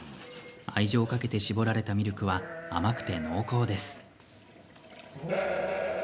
愛情かけて搾られたミルクは甘くて濃厚です。